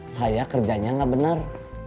saya kerjanya enggak benar